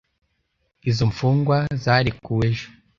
Izo mfungwa zarekuwe ejo.